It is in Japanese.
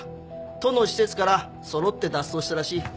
都の施設から揃って脱走したらしい。